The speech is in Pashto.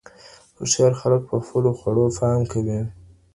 هوښیار خلک په خپلو خوړو پام کوي.